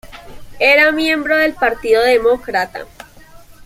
Era miembro del Partido Demócrata.